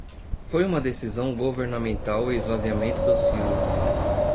Foi uma decisão governamental o esvaziamento dos silos